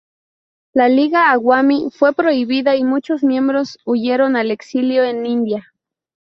La Liga Awami fue prohibida y muchos miembros huyeron al exilio en India.